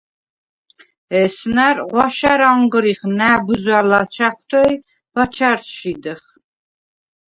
ესნა̈რ ღვაშა̈რ ანღრიხ ნა̈ბზვა̈ ლაჩა̈ხვთე ი ბაჩა̈რს შიდეხ.